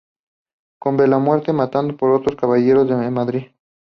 Don Bela muere, matado por otros caballeros de Madrid.